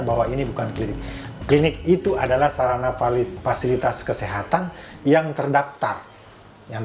bahwa ini bukan klinik klinik itu adalah sarana fasilitas kesehatan yang terdaftar yang